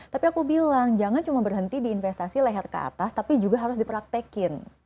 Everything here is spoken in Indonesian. tapi aku bilang jangan cuma berhenti di investasi leher ke atas tapi juga harus dipraktekin